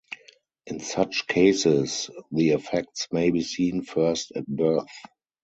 In such cases, the effects may be seen first at birth.